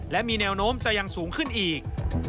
และมีแนวโน้มจะยังสูงขึ้นอีก